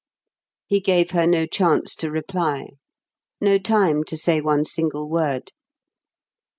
He gave her no chance to reply, no time to say one single word.